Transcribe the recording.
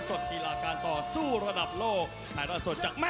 สวัสดีครับเข้าสู่การรักษาสดีครับเมื่อกันโปรดติดตามตัว